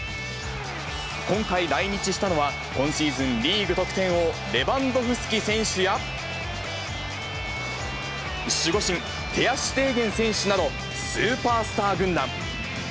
今回来日したのは、今シーズンリーグ得点王、レバンドフスキ選手や、守護神、テア・シュテーゲン選手など、スーパースター軍団。